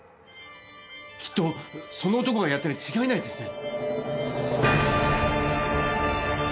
きっとその男がやったに違いないですね。